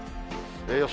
予想